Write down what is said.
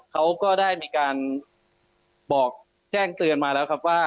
เขาก็ได้มีการบอกแจ้งเตือนมาแล้วครับว่า